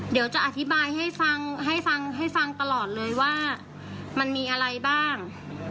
เดี๋ยวจะอธิบายให้ฟังตลอดเลยว่ามันมีอะไรบ้าง